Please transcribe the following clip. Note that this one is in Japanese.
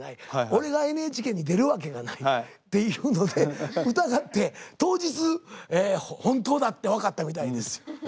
俺がＮＨＫに出るわけがないっていうので疑って当日本当だって分かったみたいです。